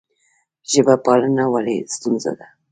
ژب پالنه ولې ستونزه ده؟